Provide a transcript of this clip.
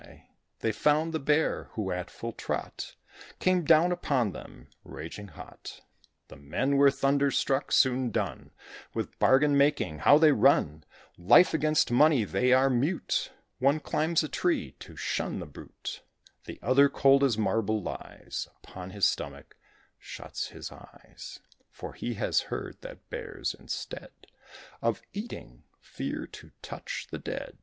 They found the Bear, who, at full trot, Came down upon them, raging hot. The men were thunder struck; soon done With bargain making, how they run! Life against money: they are mute. One climbs a tree, to shun the brute; The other, cold as marble, lies Upon his stomach shuts his eyes; For he has heard that Bears, instead Of eating fear to touch the dead.